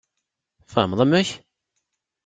Tfehmeḍ amek?